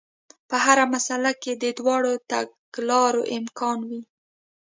په هره مسئله کې د دواړو تګلارو امکان وي.